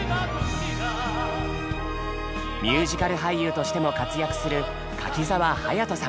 ミュージカル俳優としても活躍する柿澤勇人さん。